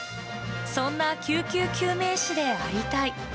そんな救急救命士でありたい。